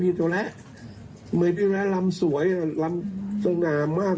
ไม่ได้ยินตอนแรกไม่ได้ยินตอนแรกลำสวยลำสงามมาก